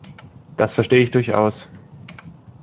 Das verstehe ich durchaus.